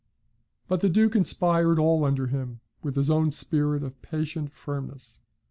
But the Duke inspired all under him with his own spirit of patient firmness.